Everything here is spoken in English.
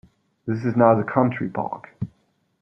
This is now the Country Park.